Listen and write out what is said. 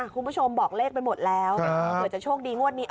คุณผู้ชมบอกเลขไปหมดแล้วเผื่อจะโชคดีงวดนี้